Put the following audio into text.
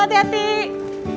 bang sesuai bang